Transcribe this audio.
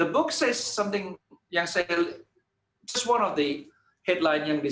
buku ini mengatakan sesuatu yang saya